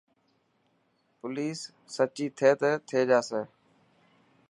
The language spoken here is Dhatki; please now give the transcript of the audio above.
پوليس سچي ٿي ته ٿي جاسي.